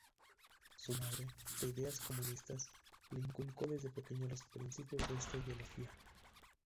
Su madre, de ideas comunistas, le inculcó desde pequeño los principios de esta ideología.